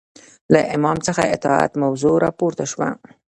له امام څخه اطاعت موضوع راپورته شوه